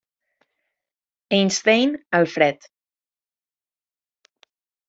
Einstein, Alfred.